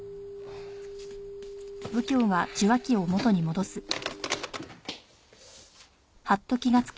あっ！